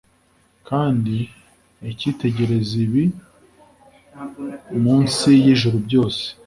kandi ikitegereza ibiri mu nsi y'ijuru byose